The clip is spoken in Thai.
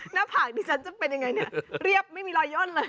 หน้าผากดิฉันจะเป็นยังไงเนี่ยเรียบไม่มีรอยย่นเลย